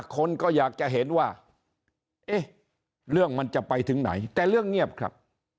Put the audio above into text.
คนก็อยากจะเห็นว่าเอ๊ะเรื่องมันจะไปถึงไหนแต่เรื่องเงียบครับ